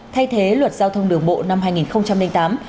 thay thế luật giao thông đường bộ năm hai nghìn tám